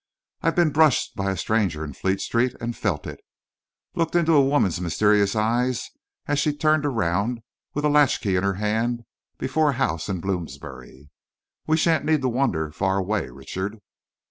I've been brushed by a stranger in Fleet Street and felt it; looked into a woman's mysterious eyes as she turned around, with a latchkey in her hand, before a house in Bloomsbury. We shan't need to wander far away, Richard."